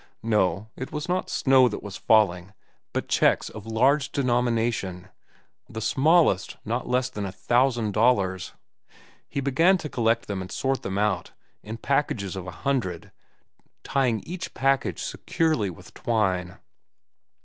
No, it was not snow that was falling, but checks of large denomination, the smallest not less than a thousand dollars. He began to collect them and sort them out, in packages of a hundred, tying each package securely with twine.